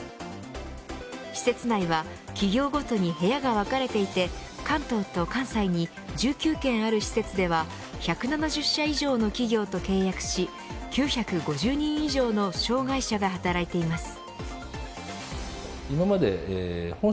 施設内は企業ごとに部屋が分かれていて関東と関西に１９軒ある施設では１７０社以上の企業と契約し９５０人以上の障がい者が働いています。